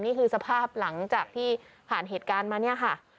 นี่คือสภาพหลังจากที่ผ่านเหตุการณ์มาเนี่ยค่ะ